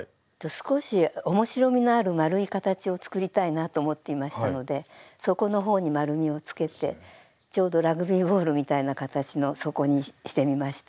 少し面白みのある丸い形を作りたいなと思っていましたので底の方に丸みをつけてちょうどラグビーボールみたいな形の底にしてみました。